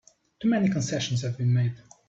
Too many concessions have been made!